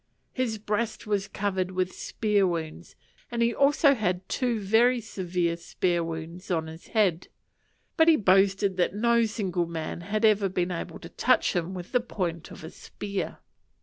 His breast was covered with spear wounds, and he also had two very severe spear wounds on his head; but he boasted that no single man had ever been able to touch him with the point of a spear.